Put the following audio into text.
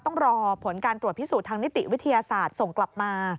ต้องรอผลการตรวจพิสูจน์ทางนิติวิทยาศาสตร์ส่งกลับมา